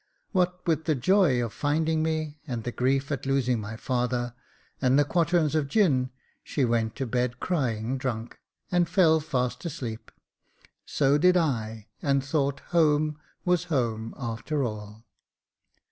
What with the joy of finding me, and the grief at losing my father, and the quarterns of gin, she went to bed crying drunk, and fell fast asleep. So did I, and thought home was home, after all.